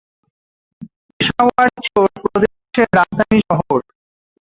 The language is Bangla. পেশাওয়ার ছিল প্রদেশের রাজধানী শহর।